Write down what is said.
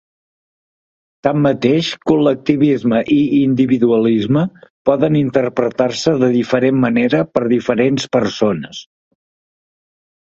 Tanmateix, col·lectivisme i individualisme poden interpretar-se de diferent manera per diferents persones.